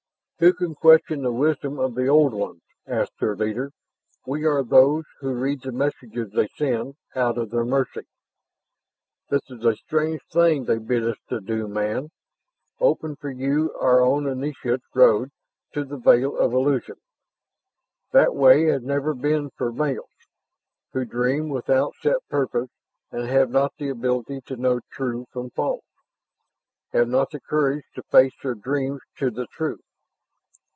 "Who can question the wisdom of the Old Ones?" asked their leader. "We are those who read the messages they send, out of their mercy. This is a strange thing they bid us do, man open for you our own initiates' road to the veil of illusion. That way has never been for males, who dream without set purpose and have not the ability to know true from false, have not the courage to face their dreams to the truth.